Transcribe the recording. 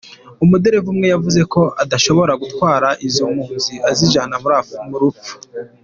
Umudereva umwe yavuze ko adashobora "gutwara izo mpunzi azijana mu rupfu".